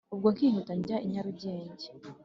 ubwo nkihuta njye i nyarugenge.